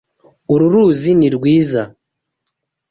Uru ruzi ni rwiza.